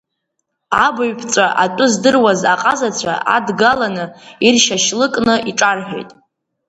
Абаҩԥҵәа атәы здыруаз аҟазацәа адгаланы иршьашьлыкны иҿарҳәеит.